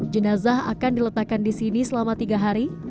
jenazah akan diletakkan di sini selama tiga hari